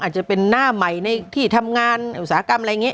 อาจจะเป็นหน้าใหม่ในที่ทำงานอุตสาหกรรมอะไรอย่างนี้